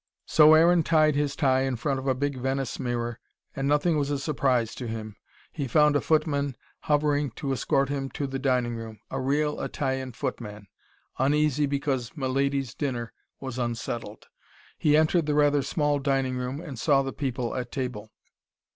So Aaron tied his tie in front of a big Venice mirror, and nothing was a surprise to him. He found a footman hovering to escort him to the dining room a real Italian footman, uneasy because milady's dinner was unsettled. He entered the rather small dining room, and saw the people at table.